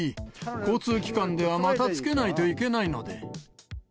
交通機関ではまた着けないといけないので。